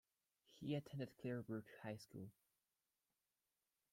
He attended Clear Brook High School.